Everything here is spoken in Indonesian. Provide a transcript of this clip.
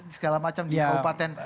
segala macam di kabupaten